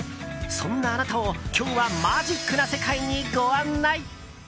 そんなあなたを今日はマジックな世界にご案内！